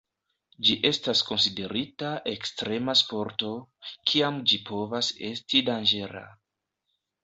Ĝi estas konsiderita ekstrema sporto, kiam ĝi povas esti danĝera.